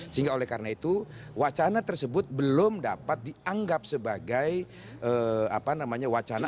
sehingga oleh karena itu wacana tersebut belum dapat dianggap sebagai wacana